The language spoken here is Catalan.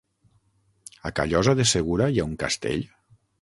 A Callosa de Segura hi ha un castell?